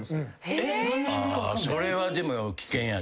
それはでも危険やで。